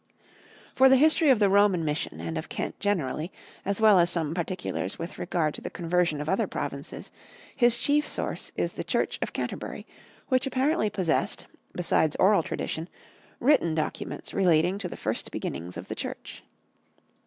For the history of the Roman mission and of Kent generally, as well as some particulars with regard to the conversion of other provinces, his chief source is the Church of Canterbury, which apparently possessed, besides oral tradition, written documents relating to the first beginnings of the Church.